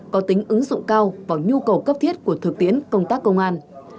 có tính ứng dụng cao vào nhu cầu cấp thiết của thực tiễn công tác công an